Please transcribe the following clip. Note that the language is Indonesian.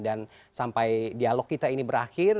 dan sampai dialog kita ini berakhir